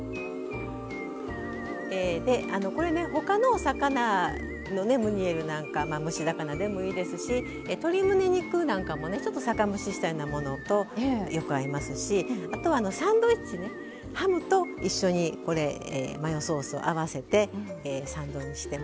でこれね他のお魚のムニエルなんかまあ蒸し魚でもいいですし鶏むね肉なんかもねちょっと酒蒸ししたようなものとよく合いますしあとはサンドイッチねハムと一緒にこれマヨソースを合わせてサンドにしてもおいしいです。